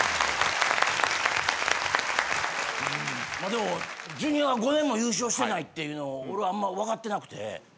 でもジュニアが５年も優勝してないっていうのを俺あんま分かってなくて。